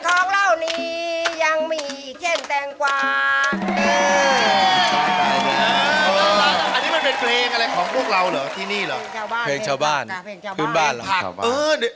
อันนี้มันเป็นเพลงอะไรของพวกเราเหรอที่นี่เหรอเพลงเช้าบ้านเพลงเช้าบ้าน